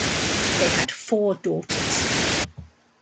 They had four daughters.